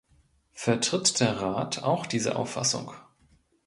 Vertritt der Rat auch diese Auffassung?